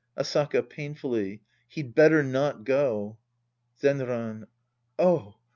Asaka {painfully). He'd better not go. Zenran. Oh.